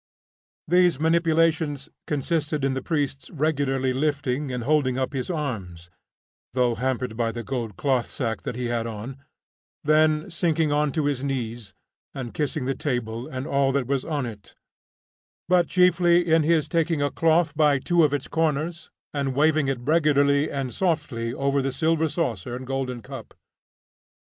These manipulations consisted in the priest's regularly lifting and holding up his arms, though hampered by the gold cloth sack he had on, then, sinking on to his knees and kissing the table and all that was on it, but chiefly in his taking a cloth by two of its corners and waving it regularly and softly over the silver saucer and golden cup.